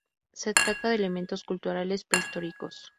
Se trata de elementos culturales "prehistóricos".